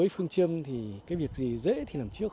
với phương châm thì cái việc gì dễ thì làm trước